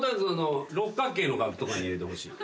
六角形の額とかに入れてほしい。